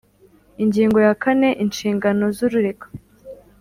Ingingo ya kane Inshingano z urega